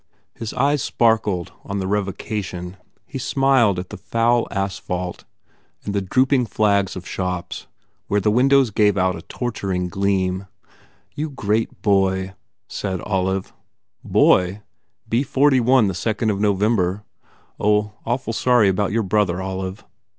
His eyes sparkled on the revocation. He smiled 174 TODGERS INTRUDES at the foul asphalt and the drooping flags of shops where the windows gave out a torturing gleam. "You great boy, 1 said Olive. "Boy? Be forty one the second of November. Oh, awful sorry about your brother, Olive."